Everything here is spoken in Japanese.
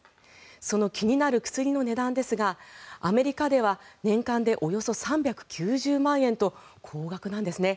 その気になる薬の値段ですがアメリカでは年間でおよそ３９０万円と高額なんですね。